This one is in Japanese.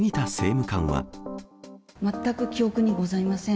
全く記憶にございません。